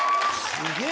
すげえ。